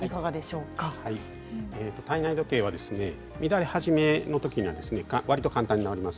体内時計は乱れ始めのときにはわりと簡単に直ります。